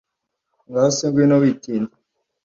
ngaho se ngwino witinda